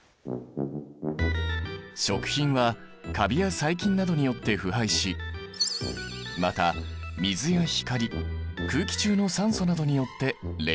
食品はカビや細菌などによって腐敗しまた水や光空気中の酸素などによって劣化する。